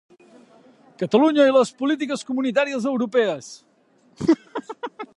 Catalunya i les polítiques comunitàries europees.